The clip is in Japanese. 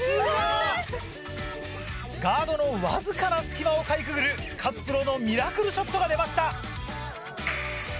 ガードのわずかな隙間をかいくぐる勝プロのミラクルショットが出ました。